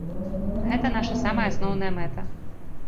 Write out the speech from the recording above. Гэта наша самая асноўная мэта.